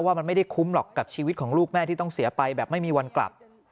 ว่ามันไม่ได้คุ้มหรอกกับชีวิตของลูกแม่ที่ต้องเสียไปแบบไม่มีวันกลับ